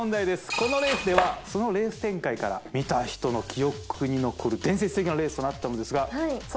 このレースではそのレース展開から見た人の記憶に残る伝説的なレースとなったのですがさあ